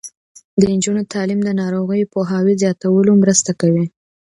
د نجونو تعلیم د ناروغیو پوهاوي زیاتولو مرسته کوي.